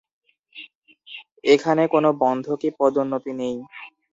এখানে কোনো বন্ধকী পদোন্নতি নেই।